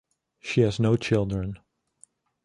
She has no children.